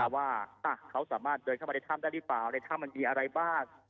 ว่าเขาสามารถเดินเข้ามาในถ้ำได้หรือเปล่าในถ้ำมันมีอะไรบ้าง